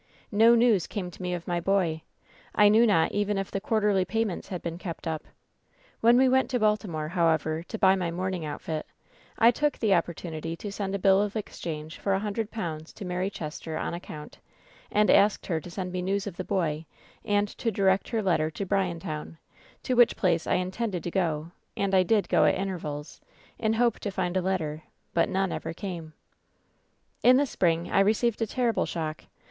^0 news came to me of my boy. I knew not even if the quarterly payments had been kept up. When we went to Baltimore, however, to buy my mourning outfit, I took the opportunity to send a bill of exchange for a hundred pounds to Mary Chester on account, and asked her to send me news of the boy, and to direct her letter fr t CTy t w'. f.;'',<>^ k^^i. WHEN SHADOWS DIE 227 to Bryantown, to which place I intended to go, and I did go at intervals, in hope to find a letter, but none ever came. "In the spring I received a terrible shock.